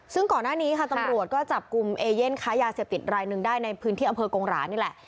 ซึ่งก่อนหน้านี้ค่ะตำรวจก็จับกลุ่มเอเย่นค้ายาเสพติดรายหนึ่งได้ในพื้นที่อำเภอกงหรานี่แหละ